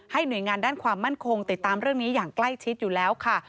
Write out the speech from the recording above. หน่วยงานด้านความมั่นคงติดตามเรื่องนี้อย่างใกล้ชิดอยู่แล้วค่ะ